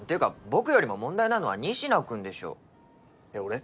僕よりも問題なのは仁科君でしょ俺？